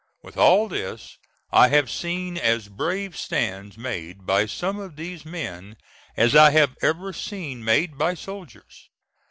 With all this I have seen as brave stands made by some of these men as I have ever seen made by soldiers.